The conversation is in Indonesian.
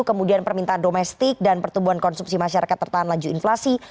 kemudian permintaan domestik dan pertumbuhan konsumsi masyarakat tertahan laju inflasi